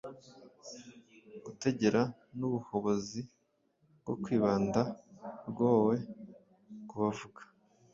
gutegera nubuhobozi bwo kwibanda rwoe kubavuga